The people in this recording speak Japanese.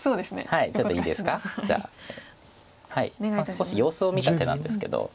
少し様子を見た手なんですけど。